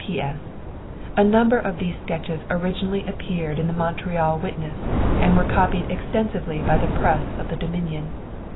P.S.—A number of these sketches originally appeared in the Montreal Witness, and were copied extensively by the press of the Dominion.